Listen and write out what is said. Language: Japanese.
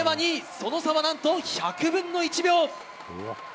その差は何と１００分の１秒。